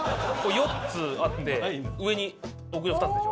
４つあって上に屋上２つでしょ。